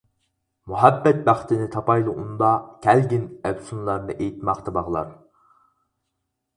مۇھەببەت بەختىنى تاپايلى ئۇندا، كەلگىن ئەپسۇنلارنى ئېيتماقتا باغلار.